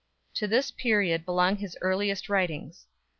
To this period belong his earliest writings.